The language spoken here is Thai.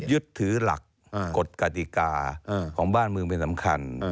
ยึดถือหลักกฎกติกาของบ้านเมืองเป็นสำคัญ